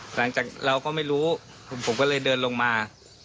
หลังจากเราก็ไม่รู้ผมก็เลยเดินลงมา